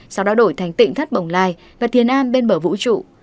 sau đó đổi thành tịnh thắt bồng lai và thiên an bên bờ vũ trụ